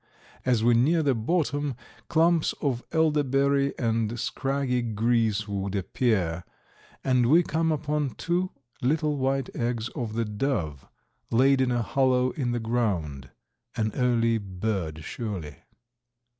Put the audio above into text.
As we near the bottom clumps of elderberry and scraggly greasewood appear, and we come upon two little white eggs of the dove, laid in a hollow in the ground—an early bird surely.